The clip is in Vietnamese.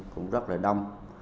cũng rất là đông